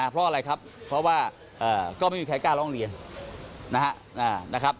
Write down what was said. เพราะอะไรครับเพราะว่าก็ไม่มีใครกล้าร้องเรียนนะครับ